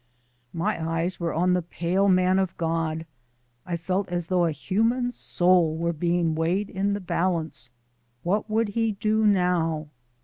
My eyes were on the pale man of God. I felt as though a human soul were being weighed in the balance. What would he do now?